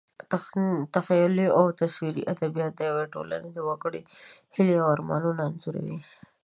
تخیلي او تصویري ادبیات د یوې ټولنې د وګړو هیلې او ارمانونه انځوروي.